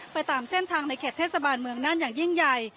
ตามเส้นทางในเขตเทศบาลเมืองน่านอย่างยิ่งใหญ่